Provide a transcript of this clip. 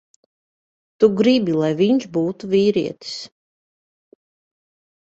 Tu gribi, lai viņš būtu vīrietis.